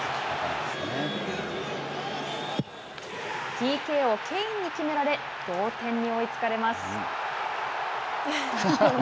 ＰＫをケインに決められ同点に追いつかれます。